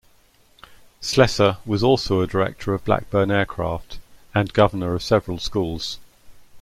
Slessor was also a director of Blackburn Aircraft and governor of several schools.